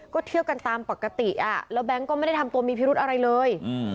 ก็เที่ยวกันตามปกติแล้วแบงค์ก็ไม่ได้ทำตัวมีพิรุธอะไรเลย